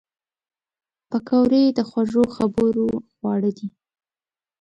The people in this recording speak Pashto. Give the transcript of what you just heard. پکورې د خوږو خبرو خواړه دي